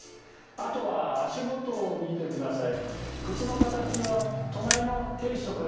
あとは足元を見て下さい。